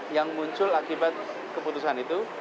yang muncul akibat keputusan itu